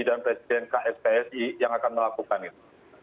dan presiden kspsi yang akan melakukan itu